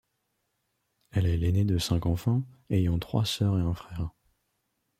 Elle est l'aînée de cinq enfants, ayant trois sœurs et un frère.